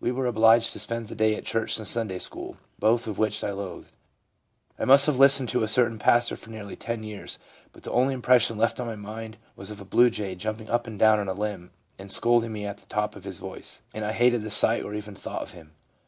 We were obliged to spend the day at church and Sunday school, both of which I loathed. I must have listened to a certain pastor for nearly ten years, but the only impression left on my mind was of a blue jay jumping up and down on a limb and scolding me at the top of his voice, and I hated the sight or even thought of him.